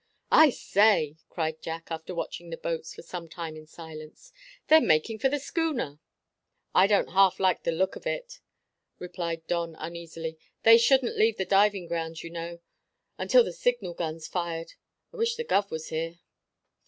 "I say," cried Jack, after watching the boats for some time in silence, "they're making for the schooner." "I don't half like the look of it," replied Don uneasily; "they shouldn't leave the diving grounds, you know, until the signal gun's fired. I wish the guv was here."